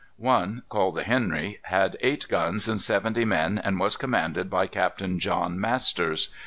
One, called the Henry, had eight guns and seventy men and was commanded by Captain John Masters.